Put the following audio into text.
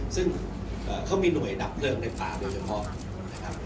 ซึ่งเขามีหน่วยหนับเพลิงในป่าโดยเฉพาะ